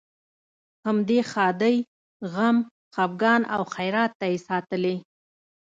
همدې ښادۍ، غم، خپګان او خیرات ته یې ساتلې.